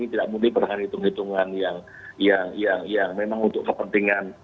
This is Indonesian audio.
tidak murni perhan hitung hitungan yang memang untuk kepentingan